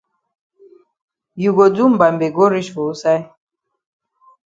You go do mbambe go reach for wusaid?